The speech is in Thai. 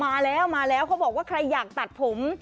อ้าวมาแล้วเค้าบอกว่าใครอยากตัดผม